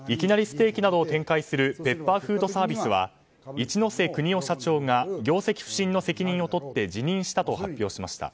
ステーキなどを展開するペッパーフードサービスは一瀬邦夫社長が業績不振の責任をとって辞任したと発表しました。